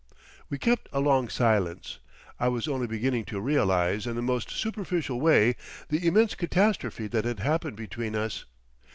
We kept a long silence. I was only beginning to realise in the most superficial way the immense catastrophe that had happened between us.